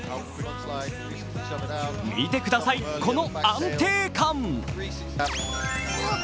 見てください、この安定感。